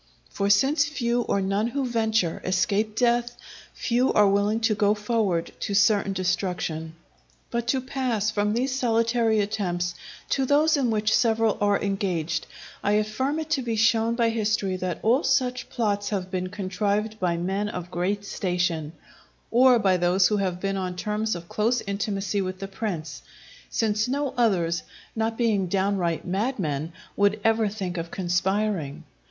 For since few or none who venture, escape death, few are willing to go forward to certain destruction. But to pass from these solitary attempts to those in which several are engaged, I affirm it to be shown by history that all such plots have been contrived by men of great station, or by those who have been on terms of close intimacy with the prince, since no others, not being downright madmen, would ever think of conspiring.